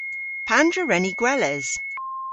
Pandr'a wren ni gweles?